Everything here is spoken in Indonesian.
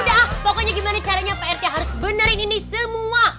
udah ah pokoknya gimana caranya pak rt harus benerin ini semua